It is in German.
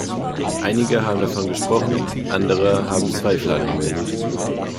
Einige haben davon gesprochen, andere haben Zweifel angemeldet.